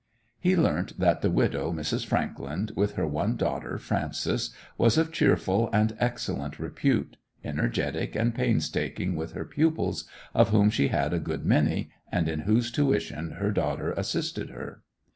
He learnt that the widow, Mrs. Frankland, with her one daughter, Frances, was of cheerful and excellent repute, energetic and painstaking with her pupils, of whom she had a good many, and in whose tuition her daughter assisted her.